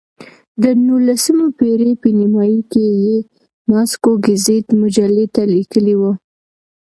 د نولسمې پېړۍ په نیمایي کې یې ماسکو ګزیت مجلې ته لیکلي وو.